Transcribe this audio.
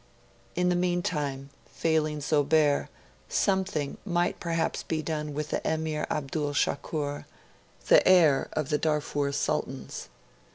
In the meantime, failing Zobeir, something might perhaps be done with the Emir Abdul Shakur, the heir of the Darfur Sultans.